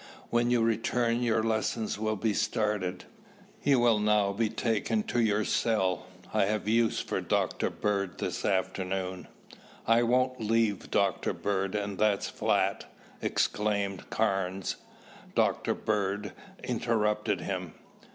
When you return your lessons will be started. You will now be taken to your cell. I have use for Dr. Bird this afternoon." "I won't leave Dr. Bird and that's flat!" exclaimed Carnes. Dr. Bird interrupted him.